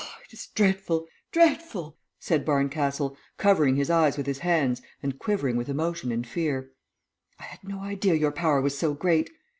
"It is dreadful! dreadful!" said Barncastle, covering his eyes with his hands and quivering with emotion and fear. "I had no idea your power was so great.